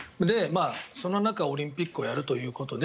その中、オリンピックをやるということで